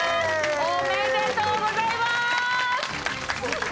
おめでとうございまーす！